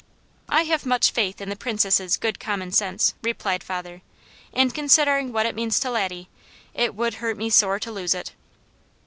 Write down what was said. "I have much faith in the Princess' good common sense," replied father, "and considering what it means to Laddie, it would hurt me sore to lose it."